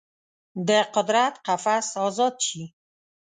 د قدرت قفس ازاد شي